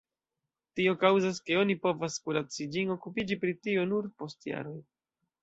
Tio kaŭzas, ke oni povas kuraci ĝin, okupiĝi pri tio nur post jaroj.